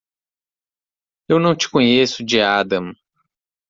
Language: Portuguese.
Eu não te conheço de Adam.